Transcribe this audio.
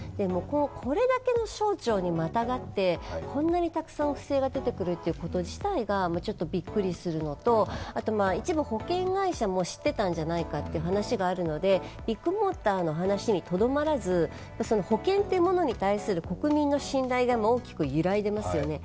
これだけの省庁にまたがってこんなにたくさん不正が出てくるということ自体がちょっとびっくりするのと、一部、保険会社も知っていたんじゃないかという話があるのでビッグモーターの話にとどまらず、保険というものに対する国民の信頼が大きく揺らいでいますよね。